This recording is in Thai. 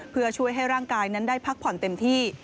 เพื่อช่วยให้ร่างกายนั้นได้พักผ่อนเต็มที่